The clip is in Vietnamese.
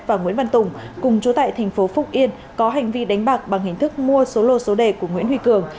và nguyễn văn tùng cùng chú tệ tp phúc yên có hành vi đánh bạc bằng hình thức mua số lô số đề của nguyễn huy cường